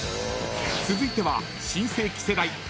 ［続いては新世紀世代］